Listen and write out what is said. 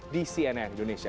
di cnn indonesia